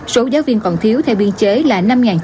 số giáo viên còn thiếu theo biên chế là năm chín trăm ba mươi chín